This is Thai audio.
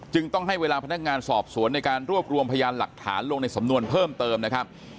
ต้องให้เวลาพนักงานสอบสวนในการรวบรวมพยานหลักฐานลงในสำนวนเพิ่มเติมนะครับ